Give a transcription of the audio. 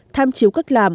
tham chiếu cách làm